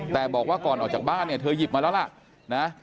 แต่บอกว่าก่อนออกจากบ้านเนี่ยเธอหยิบมาแล้วล่ะนะ